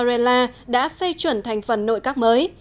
torella đã phê chuẩn thành phần nội các mới